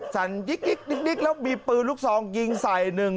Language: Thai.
สั่นยิ๊กแล้วมีปืนลูกซองยิงใส่หนึ่ง